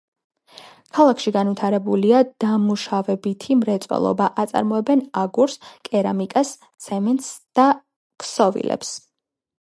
ქალაქში განვითარებულია დამუშავებითი მრეწველობა, აწარმოებენ აგურს, კერამიკას, ცემენტს და ქსოვილებს.